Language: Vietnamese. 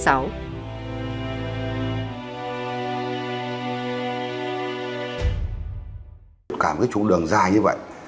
lực lượng trứng đường dài như vậy